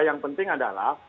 yang penting adalah